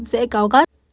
dễ cáo gắt